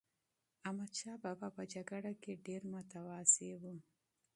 احمدشاه بابا په جګړه کې ډېر متواضع و.